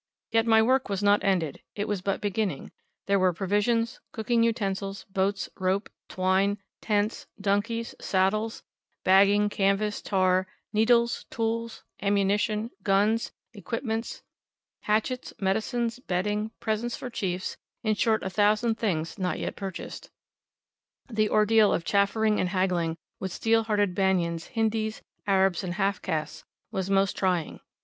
Yet my work was not ended, it was but beginning; there were provisions, cooking utensils, boats, rope, twine, tents, donkeys, saddles, bagging, canvas, tar, needles, tools, ammunition, guns, equipments, hatchets, medicines, bedding, presents for chiefs in short, a thousand things not yet purchased. The ordeal of chaffering and haggling with steel hearted Banyans, Hindis, Arabs, and half castes was most trying.